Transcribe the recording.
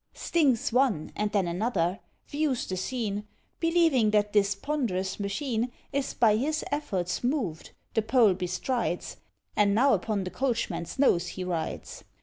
Stings one, and then another; views the scene: Believing that this ponderous machine Is by his efforts moved, the pole bestrides; And now upon the coachman's nose he rides.